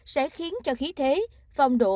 sẽ khiến cho khí thế phong độ